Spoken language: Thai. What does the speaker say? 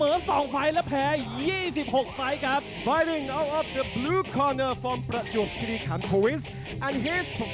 อุดอมเล็กนุ๊ปลายมบูลี